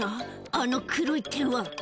あの黒い点は」